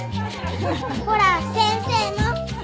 ほら先生も。